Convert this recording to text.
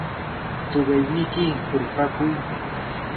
¿tuqayniki hurupaku?